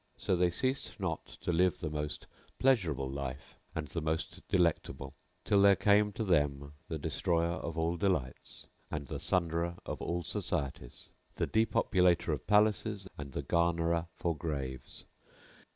So they ceased not to live the most pleasurable life and the most delectable, till there came to them the Destroyer of all delights and the Sunderer of all societies, the Depopulator of palaces and the Garnerer for graves.